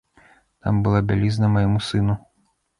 Там была бялізна майму сыну.